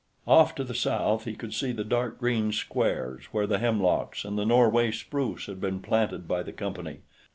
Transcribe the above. Off to the south, he could see the dark green squares, where the hemlocks and Norway spruce had been planted by the Company.